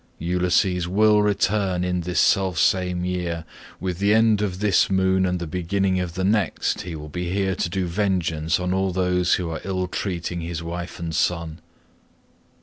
Ulysses will return in this self same year; with the end of this moon and the beginning of the next he will be here to do vengeance on all those who are ill treating his wife and son."